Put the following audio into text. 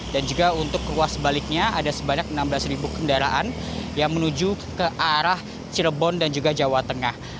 dan juga untuk kekuasaan sebaliknya ada sebanyak enam belas ribu kendaraan yang menuju ke arah cirebon dan juga jawa tengah